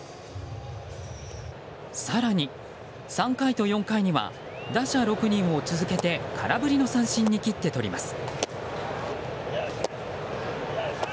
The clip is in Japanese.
更に、３回と４回には打者６人を続けて空振りの三振に切ってとります。